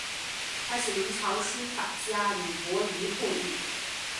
她是明朝书法家吕伯懿后裔。